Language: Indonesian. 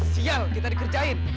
sial kita dikerjain